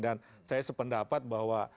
dan saya sependapat bahwa